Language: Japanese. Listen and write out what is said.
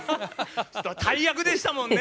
大役でしたもんね。